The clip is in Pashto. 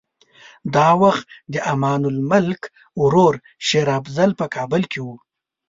دا وخت د امان الملک ورور شېر افضل په کابل کې و.